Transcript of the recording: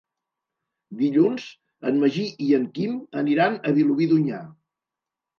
Dilluns en Magí i en Quim aniran a Vilobí d'Onyar.